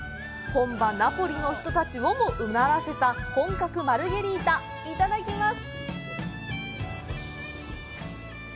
本場・ナポリの人たちをもうならせた本格マルゲリータいただきます